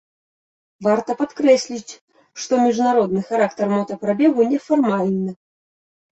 Варта падкрэсліць, што міжнародны характар мотапрабегу не фармальны.